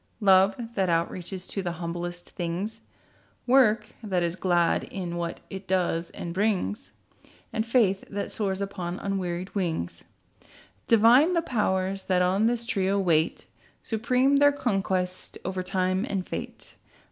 Love, that outreaches to the humblest things; Work that is glad, in what it does and brings; And faith that soars upon unwearied wings. Divine the Powers that on this trio wait. Supreme their conquest, over Time and Fate.